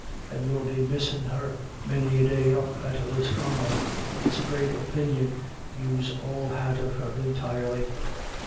And you'll be missin' her many a day up at Lisconnel ; it's a great opinion yous all had of her entirely."